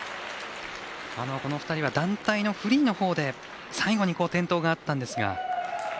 この２人は団体のフリーのほうで最後に転倒があったんですが。